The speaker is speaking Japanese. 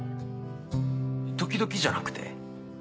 時々じゃなくて？